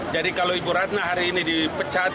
jadi kalau ibu ratna hari ini dipecahkan